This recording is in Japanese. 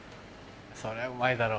そりゃうまいだろ。